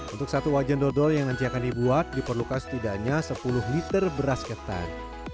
untuk satu wajan dodol yang nanti akan dibuat diperlukan setidaknya sepuluh liter beras ketan